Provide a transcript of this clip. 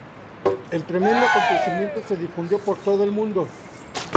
El tremendo acontecimiento se difundió por todo el mundo.